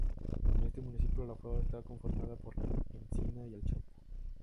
En este municipio, la flora está conformada por la encina y el chopo.